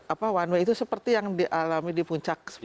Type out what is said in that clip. apa one way itu seperti yang dialami di puncak